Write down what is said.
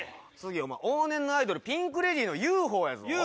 往年のアイドル、ピンクレディのＵＦＯやぞ。